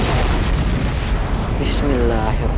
aku akan menang